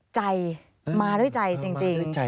ใจมาด้วยใจจริง